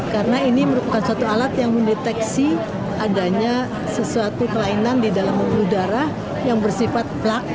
karena ini merupakan suatu alat yang mendeteksi adanya sesuatu kelainan di dalam pembuluh darah yang bersifat plak